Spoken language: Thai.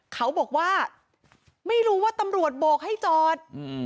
เขาบอกว่าไม่รู้ว่าตำรวจโบกให้จอด